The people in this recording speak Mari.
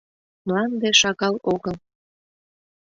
Мланде шагал огыл.